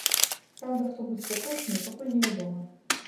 Праўда, хто будзе запрошаны, пакуль невядома.